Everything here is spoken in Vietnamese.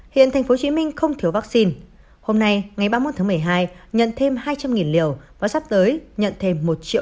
hiện tp hcm không thiếu vaccine hôm nay ngày ba mươi một tháng một mươi hai nhận thêm hai trăm linh liều và sắp tới nhận thêm một triệu